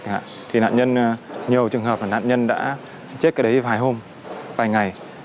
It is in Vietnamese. nhiều trường hợp nạn nhân đã chết cái đấy vài hôm vài ngày